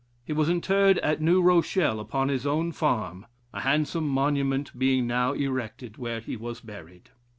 He was interred at New Rochelle, upon his own farm; a handsome monument being now erected where he was buried.